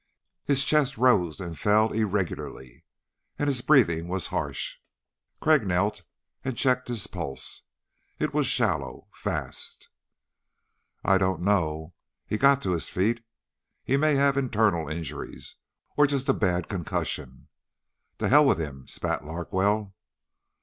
His chest rose and fell irregularly and his breathing was harsh. Crag knelt and checked his pulse. It was shallow, fast. "I don't know." He got to his feet. "He may have internal injuries ... or just a bad concussion." "To hell with him," spat Larkwell.